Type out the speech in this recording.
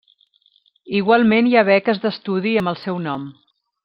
Igualment hi ha beques d'estudi amb el seu nom.